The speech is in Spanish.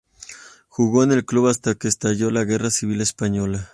Jugó en el club hasta que estalló la Guerra Civil Española.